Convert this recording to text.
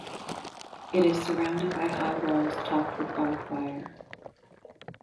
It is surrounded by high walls topped with barbed wire.